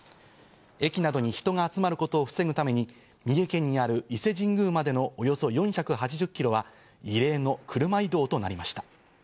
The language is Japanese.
駅などに人が集まることを防ぐために三重県にある伊勢神宮までのおよそ４８０キロは異例の車移動となりました。